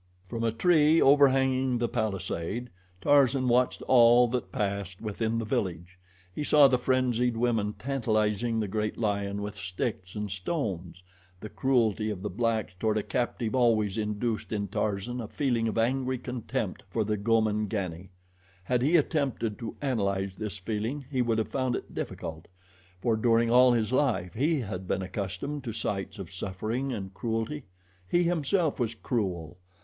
From a tree overhanging the palisade, Tarzan watched all that passed within the village. He saw the frenzied women tantalizing the great lion with sticks and stones. The cruelty of the blacks toward a captive always induced in Tarzan a feeling of angry contempt for the Gomangani. Had he attempted to analyze this feeling he would have found it difficult, for during all his life he had been accustomed to sights of suffering and cruelty. He, himself, was cruel.